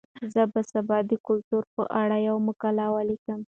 زه به سبا د کلتور په اړه یوه مقاله ولیکم.